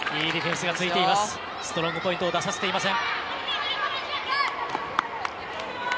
ストロングポイントを出させていません。